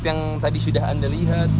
yang tadi sudah anda lihat